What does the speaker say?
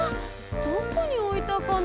どこにおいたかな？